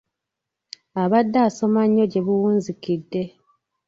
Abadde asoma nnyo gye buwunzikidde.